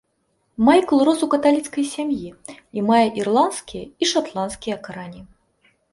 Майкл рос у каталіцкай сям'і, і мае ірландскія і шатландскія карані.